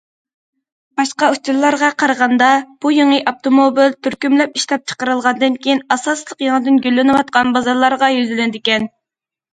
باشقا ئۇچۇرلارغا قارىغاندا، بۇ يېڭى ئاپتوموبىل تۈركۈملەپ ئىشلەپچىقىرىلغاندىن كېيىن ئاساسلىقى يېڭىدىن گۈللىنىۋاتقان بازارلارغا يۈزلىنىدىكەن.